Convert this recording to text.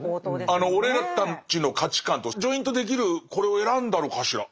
あの俺たちの価値観とジョイントできるこれを選んだのかしら？